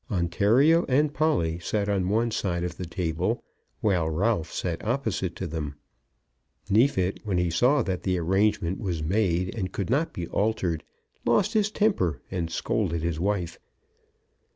Ontario and Polly sat on one side of the table, while Ralph sat opposite to them. Neefit, when he saw that the arrangement was made and could not be altered, lost his temper and scolded his wife.